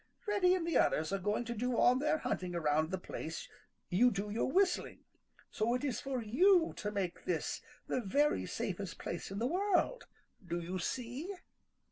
Reddy and the others are going to do all their hunting around the place you do your whistling, so it is for you to make this the very safest place in the world. Do you see?"